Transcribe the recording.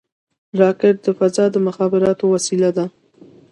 راکټ د فضا د مخابراتو وسیله ده